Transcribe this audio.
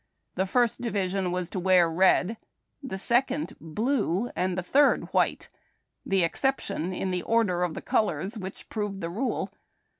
The First Division was to wear red, the Second blue, and the Third white — the excep tion in the order of the colors which proved the rule.